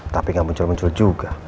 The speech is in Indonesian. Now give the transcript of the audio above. tapi gak muncul muncul juga